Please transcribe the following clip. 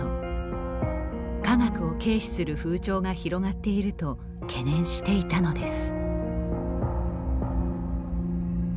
科学を軽視する風潮が広がっていると懸念していたのです。